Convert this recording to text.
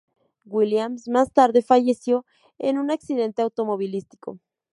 Williams más tarde falleció en un accidente automovilístico.